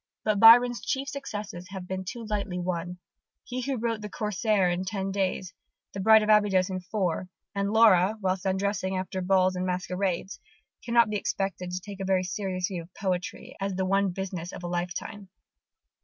But Byron's chief successes have been too lightly won. He who wrote the Corsair in ten days, the Bride of Abydos in four, and Lara whilst undressing after balls and masquerades, cannot be expected to take a very serious view of poetry as the one business of a lifetime.